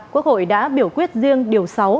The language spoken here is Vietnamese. quốc hội đã biểu quyết riêng điều sáu